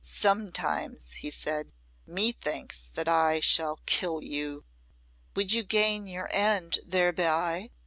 "Sometimes," he said, "methinks that I shall kill you!" "Would you gain your end thereby?"